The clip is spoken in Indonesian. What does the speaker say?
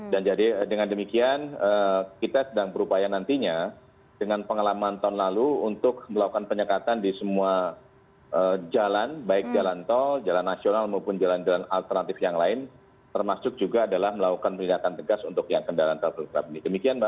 dan jadi dengan demikian kita sedang berupaya nantinya dengan pengalaman tahun lalu untuk melakukan penyekatan di semua jalan baik jalan tol jalan nasional maupun jalan jalan alternatif yang lain termasuk juga adalah melakukan penyelidikan tegas untuk kendaraan tol tol